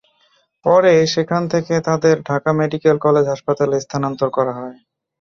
পরে সেখান থেকে তাঁদের ঢাকা মেডিকেল কলেজ হাসপাতালে স্থানান্তর করা হয়।